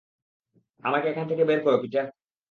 আমাকে এখান থেকে বের করো, পিটার!